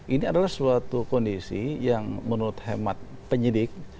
ini adalah suatu kondisi yang menurut hemat penyidik